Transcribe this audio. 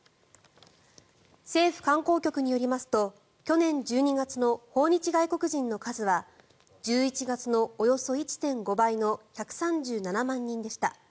政府観光局によりますと去年１２月の訪日外国人の数は１１月のおよそ１．５倍の１３７万人でした。